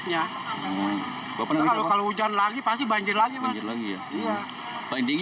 ya ada hujan ini kita juga menggunakan banjir